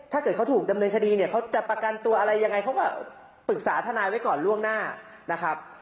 ถ้าเกิดเขาถูกดำเนินคดีเนี่ยเขาจะประกันตัวอะไรยังไงเขาก็ปรึกษาทนายไว้ก่อนล่วงหน้านะครับ